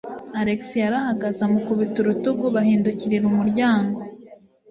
Alex yarahagaze amukubita urutugu bahindukirira umuryango.